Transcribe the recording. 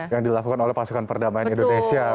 yang dilakukan oleh pasukan perdamaian indonesia